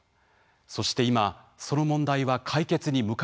そして今その問題は解決に向かっているのか。